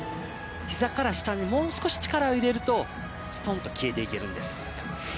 膝から下にもう少し力を入れると、ストンと消えていけるんです。